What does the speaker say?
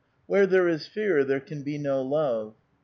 Where there is fear there can be no love.